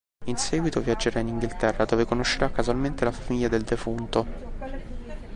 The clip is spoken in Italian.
In seguito viaggerà in Inghilterra dove conoscerà casualmente la famiglia del defunto.